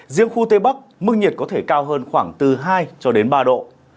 riêng khu tây bắc mức nhiệt có thể cao hơn khoảng từ hai cho đến ba độ